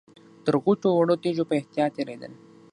تر غټو او وړو تيږو په احتياط تېرېدل.